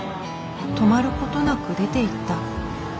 止まることなく出ていった。